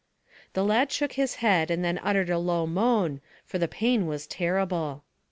The lad shook his head and then uttered a low moan, for the pain was terrible.